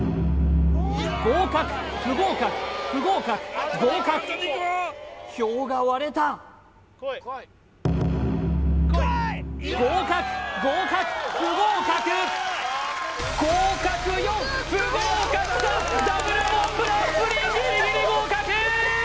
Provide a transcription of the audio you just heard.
合格不合格不合格合格票が割れた合格合格不合格合格４不合格３Ｗモンブランプリンぎりぎり合格！